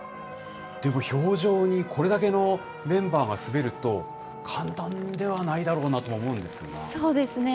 でも、氷上にこれだけのメンバーが滑ると、簡単ではないだろそうですね。